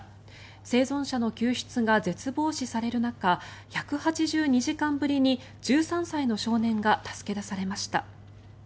生存者の救出が絶望視される中１８２時間ぶりに１３歳の少年が助け出されました。